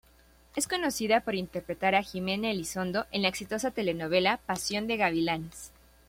Es conocida por interpretar a Jimena Elizondo en la exitosa telenovela "Pasión de gavilanes".